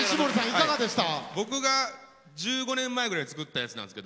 いかがでした？